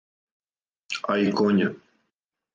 А и коња.